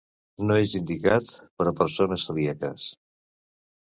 No és indicat per a persones celíaques.